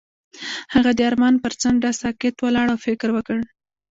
هغه د آرمان پر څنډه ساکت ولاړ او فکر وکړ.